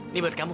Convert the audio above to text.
ini buat kamu